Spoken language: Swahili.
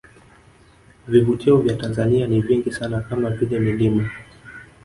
Vivutio vya Tanzania ni vingi sana kama vile milima